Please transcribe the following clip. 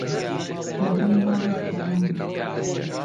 ئهبرۆی ماڵی کهوانه